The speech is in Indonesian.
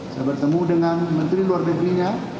saya bertemu dengan menteri luar negerinya